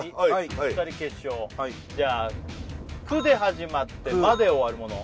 ２人じゃあ「く」で始まって「ま」で終わるもの